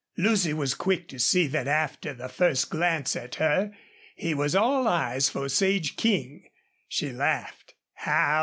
Lucy was quick to see that after the first glance at her he was all eyes for Sage King. She laughed.